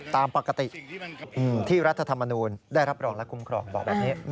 ตามปกติที่รัฐธรรมนูลได้รับรองและคุ้มครองบอกแบบนี้